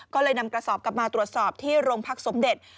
ก็เลยนำกระสอบกลับมาตรวจสอบที่โรงพักสมเด็จ